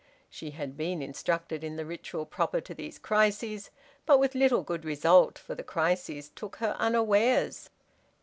She had been instructed in the ritual proper to these crises, but with little good result, for the crises took her unawares.